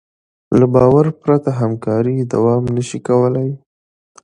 له باور پرته همکاري دوام نهشي کولی.